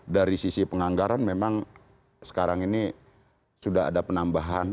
dari sisi penganggaran memang sekarang ini sudah ada penambahan